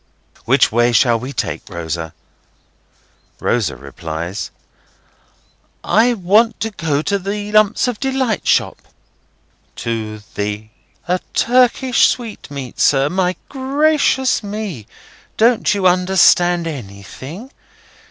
"Which way shall we take, Rosa?" Rosa replies: "I want to go to the Lumps of Delight shop." "To the—?" "A Turkish sweetmeat, sir. My gracious me, don't you understand anything?